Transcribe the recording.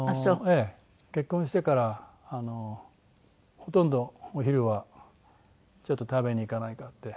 ええ。結婚してからほとんどお昼はちょっと食べに行かないかって誘って。